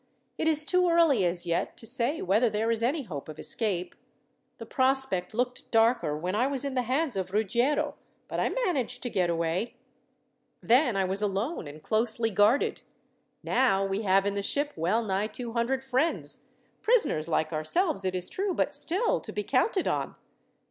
It is too early, as yet, to say whether there is any hope of escape. The prospect looked darker when I was in the hands of Ruggiero, but I managed to get away. Then I was alone and closely guarded, now we have in the ship well nigh two hundred friends; prisoners like ourselves, it is true, but still to be counted on.